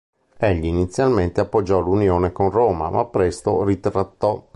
Egli inizialmente appoggiò l'unione con Roma, ma presto ritrattò.